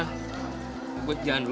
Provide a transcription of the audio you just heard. gue jalan dulu